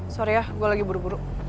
sorry ya gue lagi buru buru